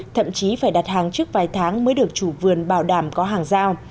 thậm chí phải đặt hàng trước vài tháng mới được chủ vườn bảo đảm có hàng giao